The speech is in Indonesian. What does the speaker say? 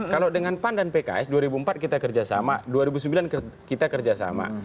kalau dengan pan dan pks dua ribu empat kita kerjasama dua ribu sembilan kita kerjasama